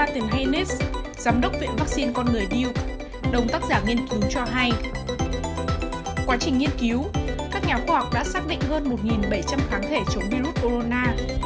quá trình nghiên cứu các nhà khoa học đã xác định hơn một bảy trăm linh kháng thể chống virus corona